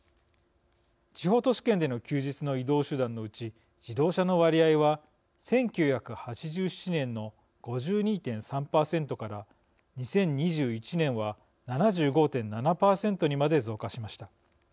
地方都市圏での休日の移動手段のうち、自動車の割合は１９８７年の５２．３％から２０２１年は７５．７％にまで増加しました。